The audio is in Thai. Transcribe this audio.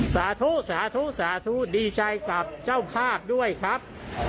สาธุสาธุสาธุดีใจกับเจ้าภาพด้วยครับ